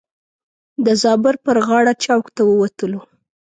د زابر پر غاړه چوک ته ووتلو.